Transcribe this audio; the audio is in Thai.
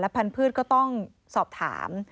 และผันพืชก็ต้องสอบถาม